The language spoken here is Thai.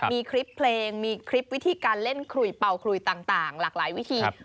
มีคลิปเพลงมีคลิปวิธีการเล่นขุ่ยเบาหลากหลายวิธี